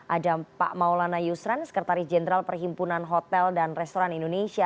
ada pak maulana yusran sekretaris jenderal perhimpunan hotel dan restoran indonesia